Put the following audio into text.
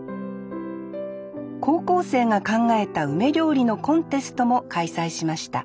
高校生が考えた梅料理のコンテストも開催しました